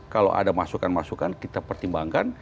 kalau ada masukan masukan kita pertimbangkan